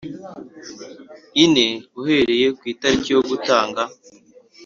ine uhereye ku itariki yo gutanga